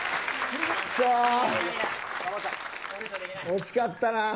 惜しかったな。